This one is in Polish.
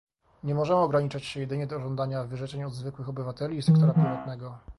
Nie możemy ograniczać się jedynie do żądania wyrzeczeń od zwykłych obywateli i sektora prywatnego